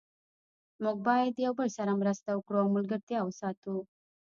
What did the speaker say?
موږ باید یو بل سره مرسته وکړو او ملګرتیا وساتو